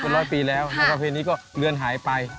เป็นร้อยปีแล้วแล้วก็เพลงนี้ก็เลือนหายไป